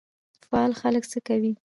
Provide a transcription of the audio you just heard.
فعال خلک څه کوي؟